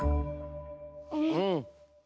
うん。